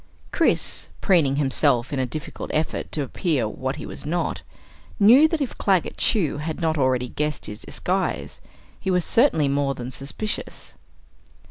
Chris, preening himself in a difficult effort to appear what he was not, knew that if Claggett Chew had not already guessed his disguise, he was certainly more than suspicious.